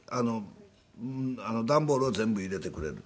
段ボールを全部入れてくれる。